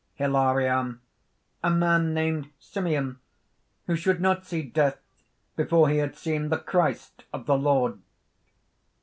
HILARION. "A man named Simeon ... who should not see death, before he had seen the Christ of the Lord."